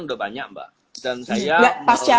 sudah banyak mbak dan saya mau